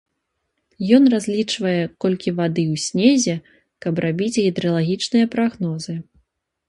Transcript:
Ён разлічвае, колькі вады ў снезе, каб рабіць гідралагічныя прагнозы.